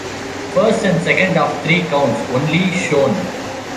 First and second of three counts only shown.